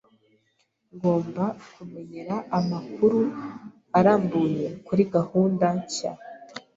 Ngomba kumenyera amakuru arambuye kuri gahunda nshya.